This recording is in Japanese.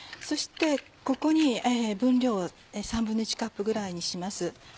そしてここで分量を１／３カップぐらいにします。